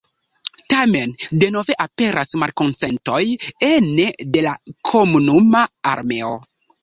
Tamen denove aperas malkonsentoj ene de la komunuma armeo.